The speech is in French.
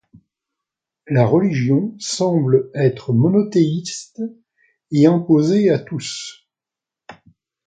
La religion semble être monothéiste et imposée à tous.